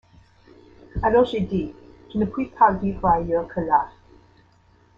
Alors j’ai dit: Je ne puis pas vivre ailleurs que là.